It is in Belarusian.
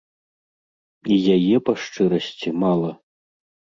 І яе, па шчырасці, мала.